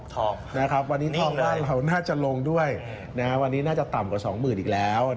วันนี้ทองบ้านเราน่าจะลงด้วยวันนี้น่าจะต่ำกว่าสองหมื่นอีกแล้ว